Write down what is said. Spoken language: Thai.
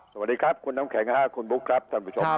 สวัสดีครับคุณน้ำแข็งคุณบุ๊คครับท่านผู้ชมครับ